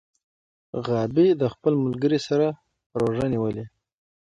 غابي د خپل ملګري سره روژه نیولې.